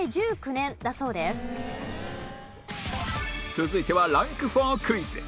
続いてはランク４クイズ